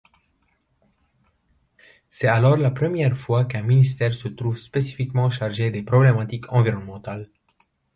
C'est alors la première fois qu'un ministère se trouve spécifiquement chargé des problématiques environnementales.